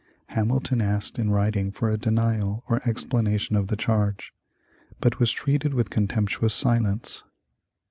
Hamilton asked in writing for a denial or explanation of the charge, but was treated with contemptuous silence.